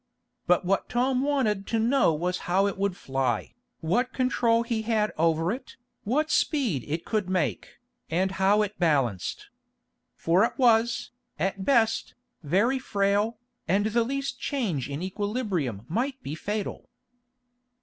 But what Tom wanted to know was how it would fly, what control he had over it, what speed it could make, and how it balanced. For it was, at best, very frail, and the least change in equilibrium might be fatal.